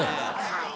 はい。